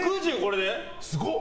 すごっ！